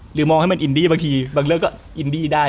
หรือมองให้มันอินดีบางทีบางเลิกก็อินดีได้